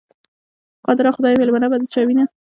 قادره خدایه، مېلمنه به د چا وینه؟